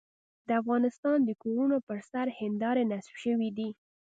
د افغانستان د کورونو پر سر هندارې نصب شوې دي.